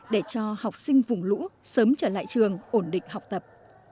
để cho học sinh vùng lũ sớm trở lại trường ổn định học tập